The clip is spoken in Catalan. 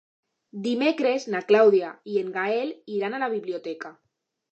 Dimecres na Clàudia i en Gaël iran a la biblioteca.